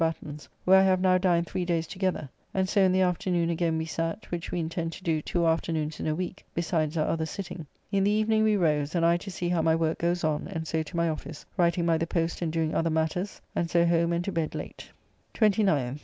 Batten's, where I have now dined three days together, and so in the afternoon again we sat, which we intend to do two afternoons in a week besides our other sitting. In the evening we rose, and I to see how my work goes on, and so to my office, writing by the post and doing other matters, and so home and to bed late. 29th.